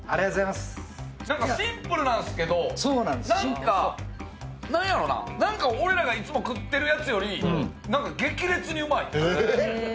シンプルなんですけど、何か、何やろな、俺らがいつも食ってるやつより激烈にうまい。